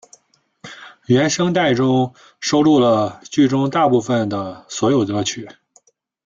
原声带中收录了剧中大部份的所有歌曲。